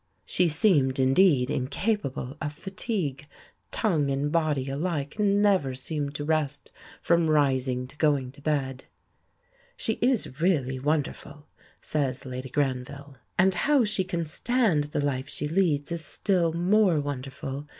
She seemed indeed incapable of fatigue. Tongue and body alike never seemed to rest, from rising to going to bed. "She is really wonderful," says Lady Granville; "and how she can stand the life she leads is still more wonderful.